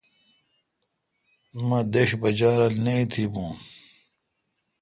مہ دݭ بجہ رول نہ اتھی یوں۔